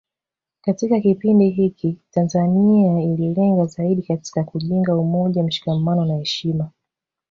Katika kipindi hiki Tanzania ililenga zaidi katika kujenga umoja mshikamano na heshima